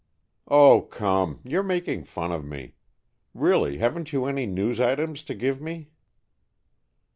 "Oh, come, you're making fun of me. Really, haven't you any news items to give me?"